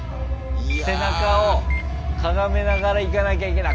背中をかがめながら行かなきゃいけない。